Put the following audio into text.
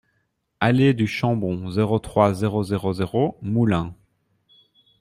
Allée du Chambon, zéro trois, zéro zéro zéro Moulins